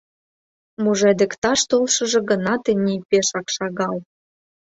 Мужедыкташ толшыжо гына тений пешак шагал.